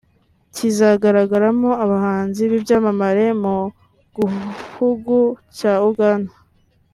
kizagaragaramo abahanzi b’ibyamamare mu guhugu cya Uganda